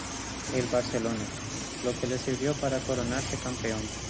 El Barcelona, lo que le sirvió para coronarse campeón.